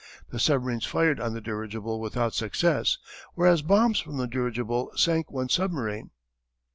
The submarines fired on the dirigible without success, whereas bombs from the dirigible sank one submarine.